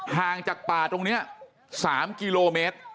ห่างจากป่าตรงนี้๓กิโลเมตร